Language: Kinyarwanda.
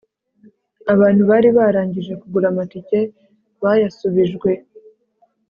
abantu bari barangije kugura amatike bayasubijwe